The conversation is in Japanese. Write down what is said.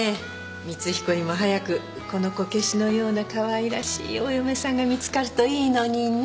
光彦にも早くこのこけしのようなかわいらしいお嫁さんが見つかるといいのにね。